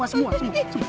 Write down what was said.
semua semua semua